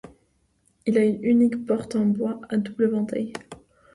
Il a une unique porte en bois à double vantail.